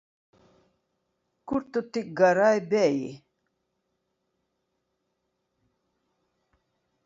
Kur tu tik garai beji?